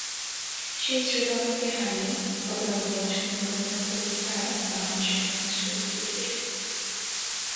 সেই শ্রীলঙ্কাকে হারিয়ে গতবার ব্রোঞ্জ পুনরুদ্ধার করতে পারা বাংলাদেশের জন্য ছিল তৃপ্তির।